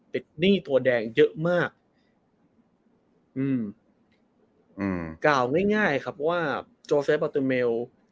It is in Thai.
หนี้ตัวแดงเยอะมากอืมอืมกล่าวง่ายง่ายครับว่าโจเซฟาเตอร์เมล